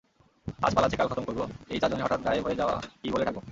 আজ পালাচ্ছে কাল খতম করবো এই চারজনের হঠাত গায়েব হয়ে যাওয়া কি বলে ঢাকবো?